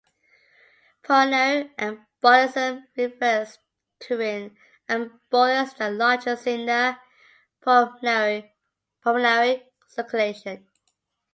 Pulmonary embolism refers to an embolus that lodges in the pulmonary circulation.